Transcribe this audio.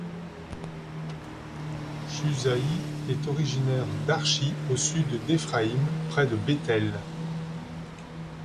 Chusaï est originaire d'Archi, au sud d'Ephraïm, près de Béthel.